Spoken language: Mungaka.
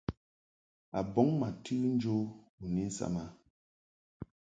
A bɔŋ ma tɨ njo u ni nsam a.